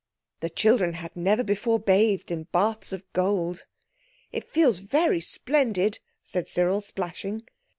The children had never before bathed in baths of gold. "It feels very splendid," said Cyril, splashing.